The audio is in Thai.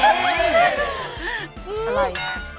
อะไร